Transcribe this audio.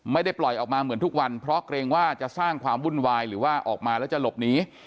ไม่ได้ปล่อยออกมาเหมือนทุกวันเพราะเกรงว่าจะสร้างความวุ่นวายหรือว่าออกมาแล้วจะหลบหนี